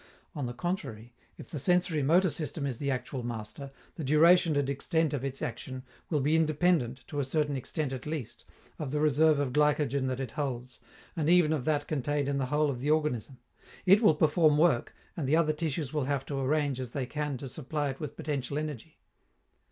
On the contrary, if the sensori motor system is the actual master, the duration and extent of its action will be independent, to a certain extent at least, of the reserve of glycogen that it holds, and even of that contained in the whole of the organism. It will perform work, and the other tissues will have to arrange as they can to supply it with potential energy.